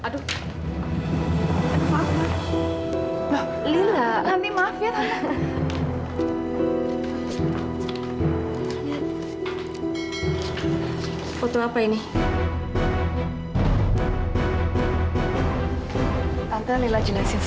dewi bisa jelasin tante